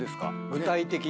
具体的に。